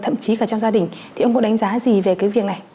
thậm chí cả trong gia đình thì ông có đánh giá gì về cái việc này